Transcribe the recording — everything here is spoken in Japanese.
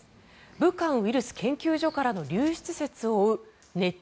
武漢ウイルス研究所からの流出説を追うネット